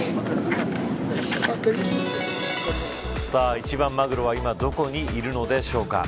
一番マグロは今どこにいるのでしょうか。